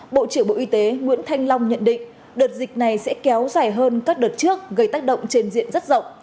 bộ trưởng bộ y tế nguyễn thanh long nhận định đợt dịch này sẽ kéo dài hơn các đợt trước gây tác động trên diện rất rộng